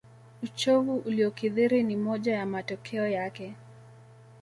Uchovu uliokithiri ni moja ya matokeo yake